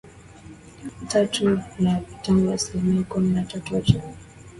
tatu na Wakongo asilimia kumi na tatu Machotara ni